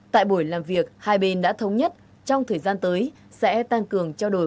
tại buổi làm việc hai bên đã thống nhất trong thời gian tới sẽ tăng cường trao đổi